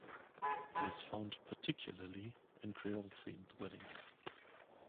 It is found particularly in Creole-themed weddings.